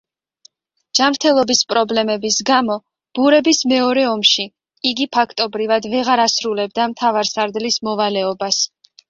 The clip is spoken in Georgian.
ჯანმრთელობის პრობლემის გამო ბურების მეორე ომში იგი ფაქტობრივად ვეღარ ასრულებდა მთავარსარდლის მოვალეობას.